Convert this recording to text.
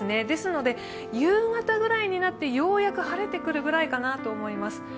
ですので夕方ぐらいになってようやく晴れてくるぐらいかなと思います。